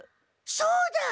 そうだ！